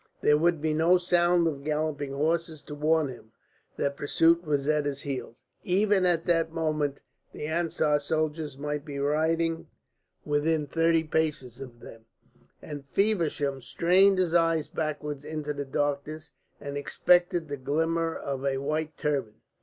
There would be no sound of galloping horses to warn him that pursuit was at his heels. Even at that moment the Ansar soldiers might be riding within thirty paces of them, and Feversham strained his eyes backwards into the darkness and expected the glimmer of a white turban.